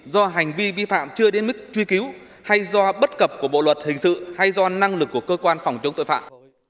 do hành vi vi phạm chưa đến mức truy cứu hay do bất cập của bộ luật hình sự hay do năng lực của cơ quan phòng chống tội phạm